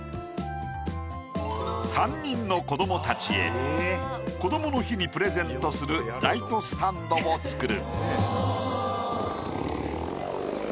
３人の子供たちへこどもの日にプレゼントするライトスタンドを作る。